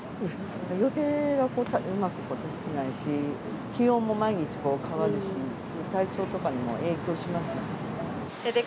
予定がうまく立たないし、気温も毎日変わるし、体調とかにも影響しますので。